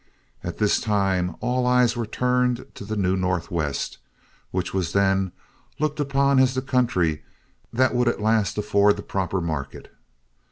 At this time all eyes were turned to the new Northwest, which was then looked upon as the country that would at last afford the proper market.